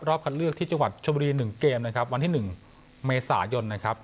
คัดเลือกที่จังหวัดชมบุรี๑เกมนะครับวันที่๑เมษายนนะครับ